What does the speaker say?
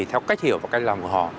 theo cách hiểu và cách làm của họ